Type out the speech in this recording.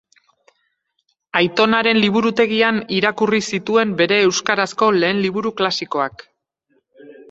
Aitonaren liburutegian irakurri zituen bere euskarazko lehen liburu klasikoak.